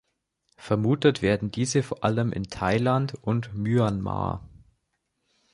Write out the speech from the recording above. Vermutet werden diese vor allem in Thailand und Myanmar.